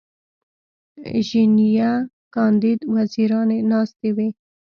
ژینینه کاندید وزیرانې ناستې وې.